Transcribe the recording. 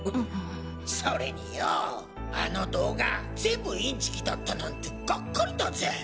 それによぉあの動画全部インチキだったなんてガッカリだぜ！